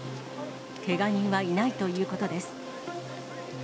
けが人はいないということです。